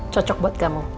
cocok buat kamu